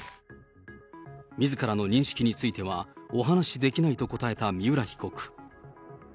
みずからの認識については、お話しできないと答えた三浦被告。